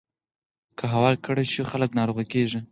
که هوا ککړه شي، خلک ناروغ کېږي.